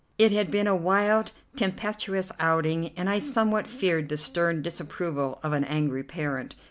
It had been a wild, tempestuous outing, and I somewhat feared the stern disapproval of an angry parent.